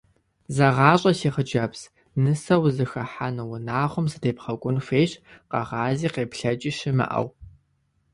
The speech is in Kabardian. Зэгъащӏэ си хъыджэбз: нысэу узыхыхьэну унагъуэм задебгъэкӏун хуейщ, къэгъази къеплъэкӏи щымыӏэу.